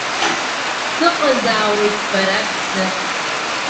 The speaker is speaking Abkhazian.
Сыҟазаауеит бара бзы.